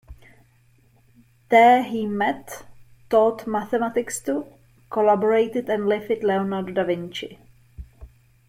There he met, taught mathematics to, collaborated and lived with Leonardo da Vinci.